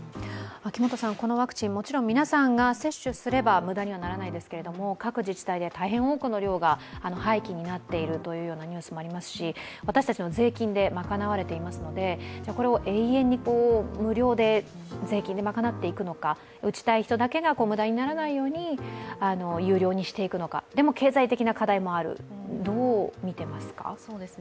このワクチン、もちろん皆さんが接種すれば無駄にはならないですけれども、各自治体で大変多くの量が廃棄になっているとも聞きますし、私たちの税金で賄われていますのでこれを永遠に無料で税金で賄っていくのか、打ちたい人だけが、無駄にならないように有料にしていくのか、でも経済的な課題もある、どう見ていますか？